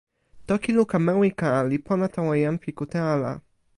toki luka Mewika li pona tawa jan pi kute ala.